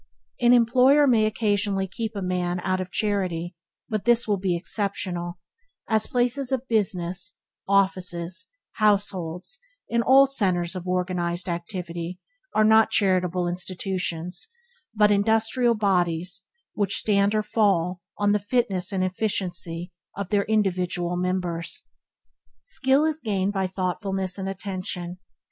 An employer may occasionally keep such a man out of charity; but this will be exceptional; as places of business, offices, households, and all centers of organized activity, are not charitable institutions, but industrial bodies which stand or fall but the fitness and efficiency of their individual members. Skill is gained by thoughtfulness and attention.